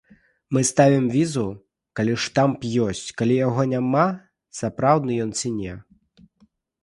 Мы ставім візу, калі штамп ёсць, калі яго няма, сапраўдны ён ці не.